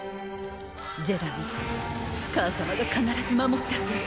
ジェラミー母様が必ず守ってあげる。